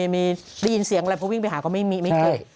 มีได้ยินเสียงอะไรเพราะวิ่งไปหาก็ไม่เคย